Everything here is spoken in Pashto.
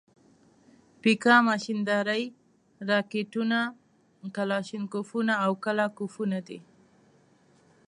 پیکا ماشیندارې، راکېټونه، کلاشینکوفونه او کله کوفونه دي.